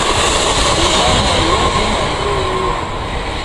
Ujha mwai ofuma Mrughua